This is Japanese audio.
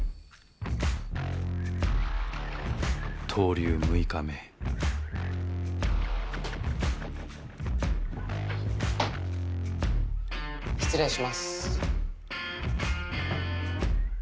逗留六日目・失礼します。